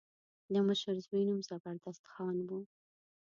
د مشر زوی نوم زبردست خان و.